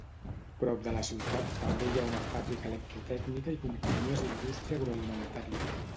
Prop de la ciutat també hi ha una fàbrica electrotècnica i companyies d'indústria agroalimentària.